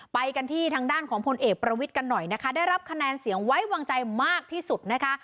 ไปกันที่ทางด้านของพลเอกประวิทย์กันหน่อยนะคะได้รับคะแนนเสียงไว้วางใจมากที่สุดนะคะ